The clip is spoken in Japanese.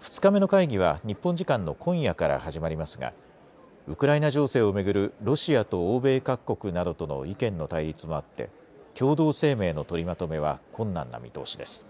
２日目の会議は日本時間の今夜から始まりますがウクライナ情勢を巡るロシアと欧米各国などとの意見の対立もあって共同声明の取りまとめは困難な見通しです。